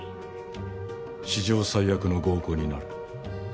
史上最悪の合コンになる。